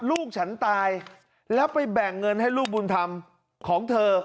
ลูกฉันตายแล้วไปแบ่งเงินให้ลูกบุญธรรมของเธอ